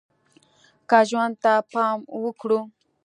که ژوند ته پام وکړو